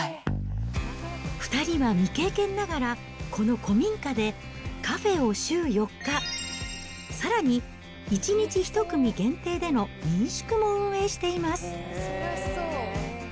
２人は未経験ながら、この古民家でカフェを週４日、さらに１日１組限定での民宿も運営しています。